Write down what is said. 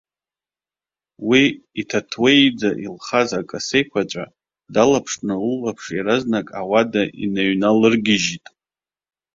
Уи иҭаҭуеиӡа илхаз акасы еиқәаҵәа далԥшны лылаԥш иаразнак ауада иныҩналыргьежьит.